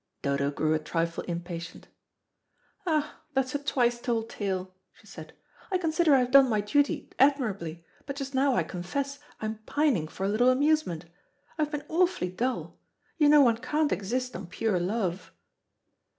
Dodo grew a trifle impatient. "Ah, that's a twice told tale," she said. "I consider I have done my duty admirably, but just now I confess I am pining for a little amusement. I have been awfully dull. You know one can't exist on pure love."